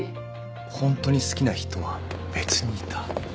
本当に好きな人は別にいた？